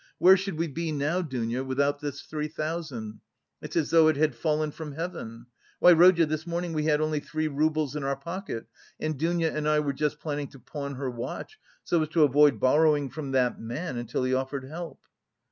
Where should we be now, Dounia, without this three thousand! It's as though it had fallen from heaven! Why, Rodya, this morning we had only three roubles in our pocket and Dounia and I were just planning to pawn her watch, so as to avoid borrowing from that man until he offered help."